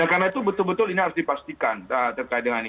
karena itu betul betul ini harus dipastikan terkait dengan ini